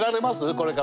これから。